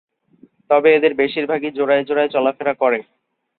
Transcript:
তবে এদের বেশির ভাগই জোড়ায় জোড়ায় চলাফেরা করে।